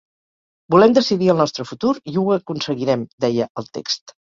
Volem decidir el nostre futur i ho aconseguirem!, deia el text.